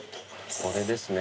これですね。